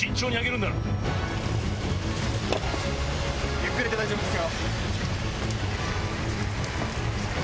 ゆっくりで大丈夫ですよ。